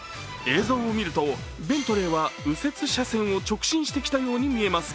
映像をみると、ベントレーは右折斜線を直進してきたように見えます。